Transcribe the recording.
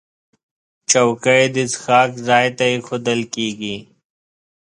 چوکۍ د څښاک ځای ته ایښودل کېږي.